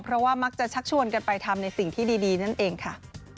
เพราะว่ามักจะชักชวนกันไปทำในสิ่งที่ดีนั่นเองค่ะ